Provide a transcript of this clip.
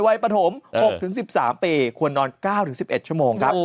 วัยประถมเออหกถึงสิบสามปีควรนอนเก้าถึงสิบเอ็ดชั่วโมงครับ